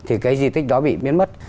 thì cái di tích đó bị biến mất